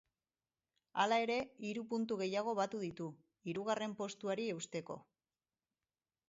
Hala ere, hiru puntu gehiago batu ditu, hirugarren postuari eusteko.